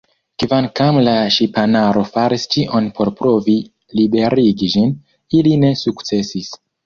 Kvankam la ŝipanaro faris ĉion por provi liberigi ĝin, ili ne sukcesis.